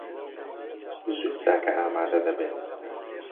زوو چاکە ئامادە دەبێت.